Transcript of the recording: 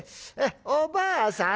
おばあさん